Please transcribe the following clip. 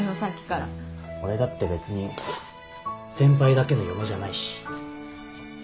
俺だって別に先輩だけの嫁じゃないし。